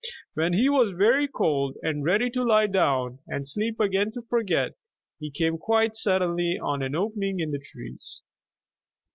When he was very cold, and ready to lie down and sleep again to forget, he came quite suddenly on an opening in the trees.